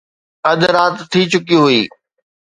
اڌ رات ٿي چڪي هئي